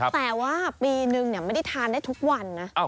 แต่ว่าปีนึงไม่ได้ทานได้ทุกวันนะ